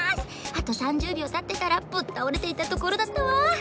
あと３０びょうたってたらぶったおれていたところだったわ。